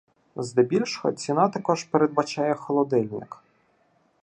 Здебільшого ціна також передбачає холодильник